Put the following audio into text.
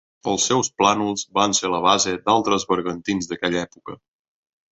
Els seus plànols van ser la base d'altres bergantins d'aquella època.